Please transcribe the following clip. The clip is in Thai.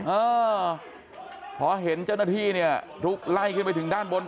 เออพอเห็นเจ้าหน้าที่เนี่ยลุกไล่ขึ้นไปถึงด้านบน